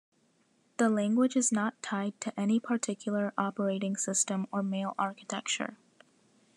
The language is not tied to any particular operating system or mail architecture.